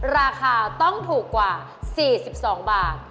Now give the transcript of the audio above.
ราคาต้องถูกกว่า๔๒บาท